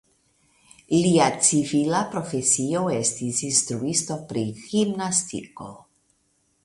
Lia civila profesio estis instruisto pri gimnastiko.